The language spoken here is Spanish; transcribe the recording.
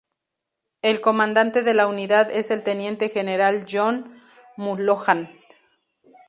El comandante de la unidad es el Teniente General John F. Mulholland Jr.